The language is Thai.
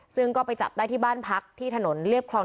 ซึ่งก็ไปจับได้ที่บ้านพักที่ถนนเรียบคลอง